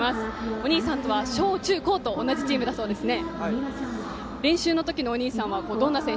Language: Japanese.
お兄さんとは小中高と同じチームだそうですね。